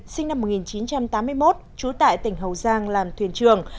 sinh năm một nghìn chín trăm tám mươi một trú tại tỉnh hậu giang làm thuyền trường